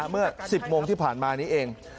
เมื่อ๑๐โมงที่ผ่านมานี้เอง